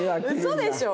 嘘でしょ？